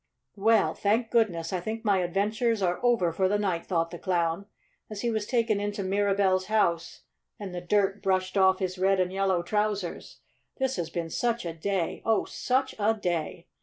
"Well, thank goodness, I think my adventures are over for the night," thought the Clown, as he was taken into Mirabell's house and the dirt brushed off his red and yellow trousers. "This has been such a day! Oh, SUCH a day!"